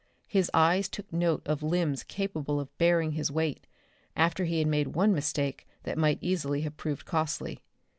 His eyes took note of limbs capable of bearing his weight after he had made one mistake that might easily have proved costly.